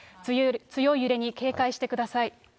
強い揺れに警戒してください。